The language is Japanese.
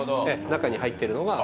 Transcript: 中に入ってるのが。